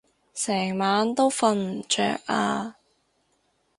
成晚都瞓唔著啊